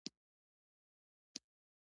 د ر یښتني پسرلي